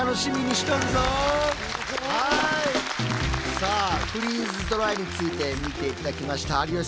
さあフリーズドライについて見て頂きました。